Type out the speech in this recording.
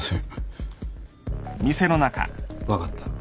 分かった。